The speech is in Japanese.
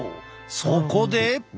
そこで。